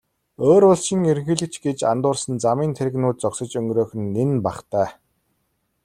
Өөр улсын ерөнхийлөгч гэж андуурсан замын тэрэгнүүд зогсож өнгөрөөх нь нэн бахтай.